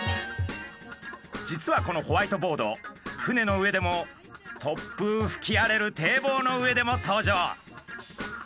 実はこのホワイトボード船の上でも突風ふき荒れる堤防の上でも登場。